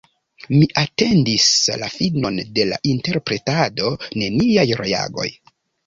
Mi atendis la finon de la interpretado: neniaj reagoj!